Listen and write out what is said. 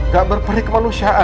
gak berperih kemanusiaan ma